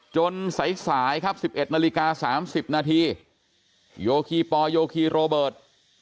สายครับ๑๑นาฬิกา๓๐นาทีโยคีปอลโยคีโรเบิร์ต